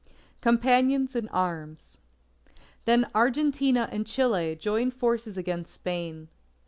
COMPANIONS IN ARMS Then Argentina and Chile joined forces against Spain.